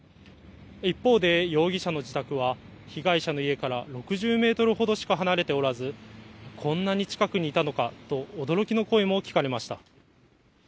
一方で容疑者の自宅は被害者の家から６０メートルほどしか離れておらず、こんなに近くにいたのかと驚きの声も聞かれました。